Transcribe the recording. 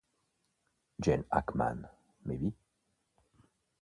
Gene Hackman, maybe.